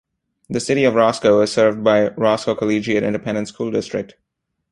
The City of Roscoe is served by Roscoe Collegiate Independent School District.